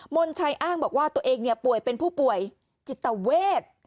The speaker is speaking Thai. มทรายและบอกว่าตัวเองเนี่ยป่วยเป็นผู้ป่วยจิตตาเวท